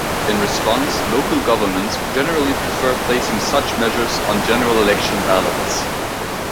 In response, local governments generally prefer placing such measures on general-election ballots.